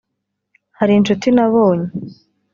Hari inshuti nabonye